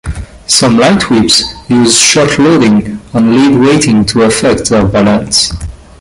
Some light whips use shot loading or lead weighting to affect their balance.